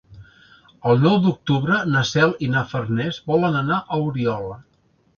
El nou d'octubre na Cel i na Farners volen anar a Oriola.